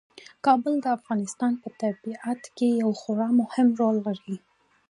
کابل د افغانستان په طبیعت کې یو خورا مهم رول لري.